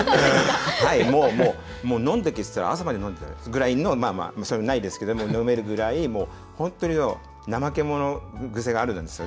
もう飲んどけって言ってたら朝まで飲めるぐらいのまあまあそれはないですけど飲めるぐらい本当に怠け者癖があるんですよ。